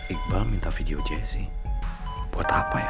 iqbal minta video jessi buat apa ya